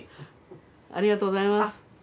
ありがとうございます。